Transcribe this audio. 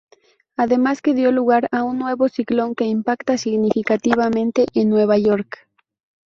Además que dio lugar a un nuevo ciclón que impacta significativamente en Nueva York.